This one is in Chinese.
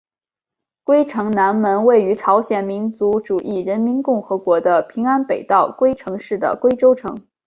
龟城南门位于朝鲜民主主义人民共和国的平安北道龟城市的龟州城。